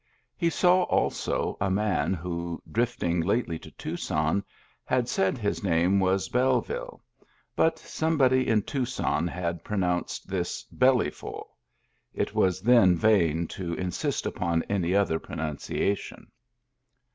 He saw also a man who, drifting lately to Tucson, had said his name was Belleville ; but somebody in Tucson had pro nounced this " Bellyful "; it was then vain to in sist upon any other pronunciation.